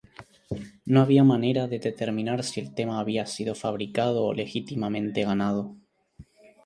No había manera de determinar si el tema había sido fabricado o legítimamente ganado.